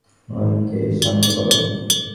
মনকে শান্ত করো।